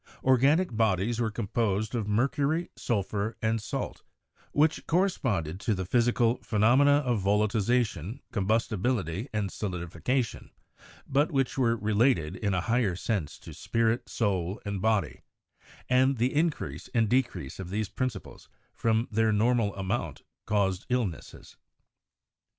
Or ganic bodies were composed of mercury, sulphur and salt, which corresponded to the physical "phenomena of vola tilization, combustibility and solidification," but which were related in a higher sense to spirit, soul and body; and the increase and decrease of these principles from their normal amount caused illnesses.